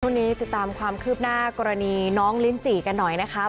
ติดตามความคืบหน้ากรณีน้องลิ้นจี่กันหน่อยนะคะ